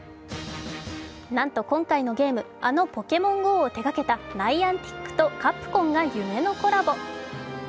なんと今回のゲーム、あの「ポケモンＧＯ」を手がけたＮｉａｎｔｉｃとカプコンがコラボ。